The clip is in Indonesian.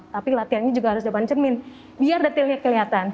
tapi latihannya juga harus depan cermin biar detailnya kelihatan